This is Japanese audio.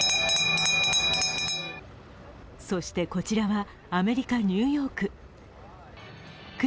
そして、こちらはアメリカ・ニューヨーク。